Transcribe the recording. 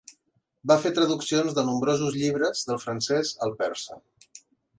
Va fer traduccions de nombrosos llibres del francès al persa.